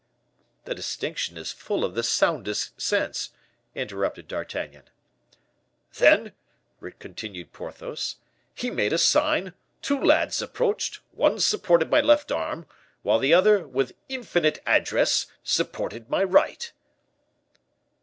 '" "The distinction is full of the soundest sense," interrupted D'Artagnan. "Then," continued Porthos, "he made a sign: two lads approached; one supported my left arm, while the other, with infinite address, supported my right."